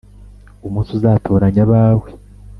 umunsi uzatoranya abawe